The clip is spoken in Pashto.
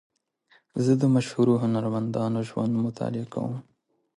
زه د مشهورو هنرمندانو ژوند مطالعه کوم.